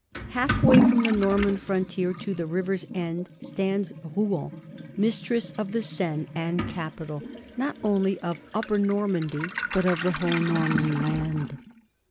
Halfway from the Norman frontier to the river's end stands Rouen, mistress of the Seine and capital, not only of Upper Nor mandy, but of the whole Norman land.